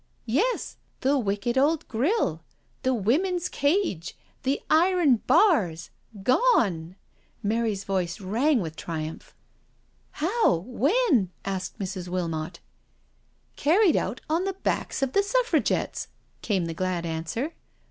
" Yes I The wicked old grille— the women's cage — the iron bars, gone I" Mary's voice rang with triumph. "How? When?" asked Mrs. WiUnot. " Carried out on the backs of the Suffragettes,'* 156 NO SURRENDER came the glad answer.